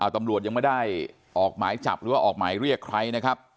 ตำรวจยังไม่ได้ออกหมายจับหรือว่าออกหมายเรียกใครนะครับ